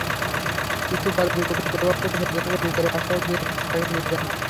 কিন্তু পরে যুবকের প্রভাবশালী স্বজনেরা বিচারের আশ্বাস দিয়ে তাঁকে নিয়ে যান।